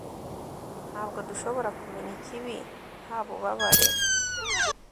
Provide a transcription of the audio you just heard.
ntabwo dushobora kumenya ikibi nta bubabare